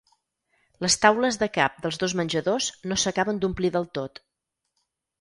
Les taules de cap dels dos menjadors no s'acaben d'omplir del tot.